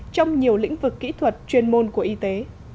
trong nhiều lĩnh vực kỹ thuật chuyên môn của y tế